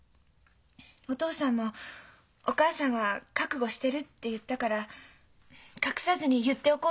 お父さんが「お母さんは覚悟してる」って言ったから隠さずに言っておこうと思って。